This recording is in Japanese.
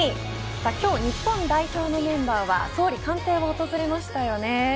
今日、日本代表のメンバーは総理官邸に訪れましたよね。